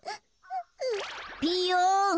ピーヨン。